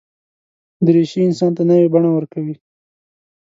دریشي انسان ته نوې بڼه ورکوي.